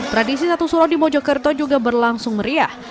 tradisi satu suro di mojokerto juga berlangsung meriah